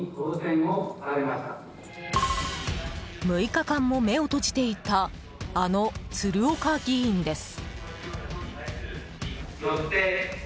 ６日間も目を閉じていたあの鶴岡議員です。